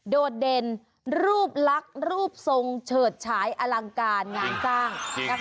โดดเด่นรูปลักษณ์รูปทรงเฉิดฉายอลังการงานสร้าง